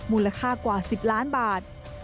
มูลค่ากว่า๑๐ล้านบาท